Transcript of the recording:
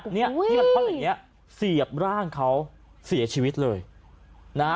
นี่เพราะแบบนี้เสียบร่างเขาเสียชีวิตเลยนะฮะ